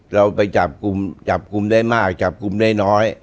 เราไปจับกลุ่มจับกลุ่มได้มากจับกลุ่มได้น้อย